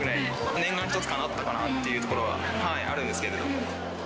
念願が一つかなったかなっていうところはあるんですけど。